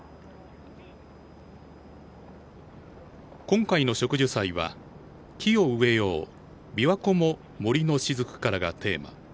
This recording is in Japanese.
今回の植樹祭は「木を植えようびわ湖も森のしずくから」がテーマ。